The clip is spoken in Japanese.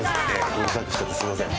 うるさくしててすいません。